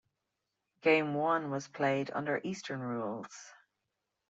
Game one was played under eastern rules.